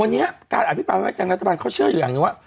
วันนี้การอภิมป์ปภาพของรัฐบาลเขาเชื่ออย่างนี้ว่า